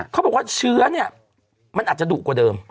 เขาบอกว่าเชื้อเนี่ยมันอาจจะดุกว่าเดิม